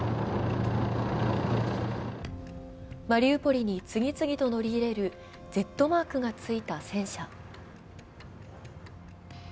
マリウポリに次々と乗り入れる、Ｚマークがついた戦車。